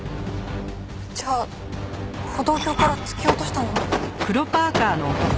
じゃあ歩道橋から突き落としたのも。